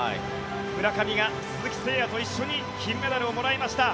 村上が鈴木誠也と一緒に金メダルをもらいました。